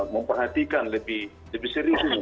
memperhatikan lebih serius ini